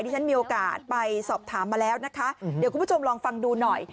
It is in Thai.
ที่ฉันมีโอกาสไปสอบถามมาแล้วนะคะเดี๋ยวคุณผู้ชมลองฟังดูหน่อย